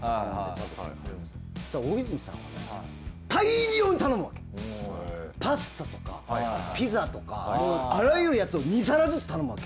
そうしたら大泉さんはねパスタとかピザとかもうあらゆるやつを２皿ずつ頼むわけ。